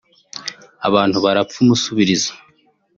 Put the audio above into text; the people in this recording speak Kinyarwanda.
abantu barapfa umusubirizo